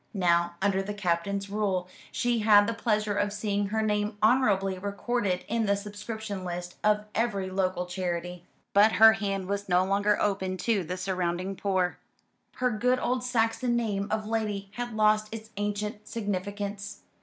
Now, under the Captain's rule, she had the pleasure of seeing her name honourably recorded in the subscription list of every local charity: but her hand was no longer open to the surrounding poor, her good old Saxon name of Lady had lost its ancient significance.